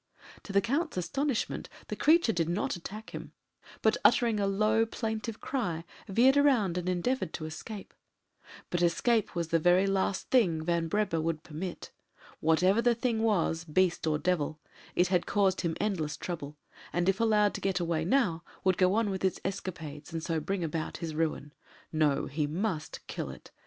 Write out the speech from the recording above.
To the Count's astonishment the creature did not attack him, but uttering a low plaintive cry, veered round and endeavoured to escape. But escape was the very last thing Van Breber would permit. Whatever the thing was beast or devil it had caused him endless trouble, and if allowed to get away now, would go on with its escapades, and so bring about his ruin. No! he must kill it.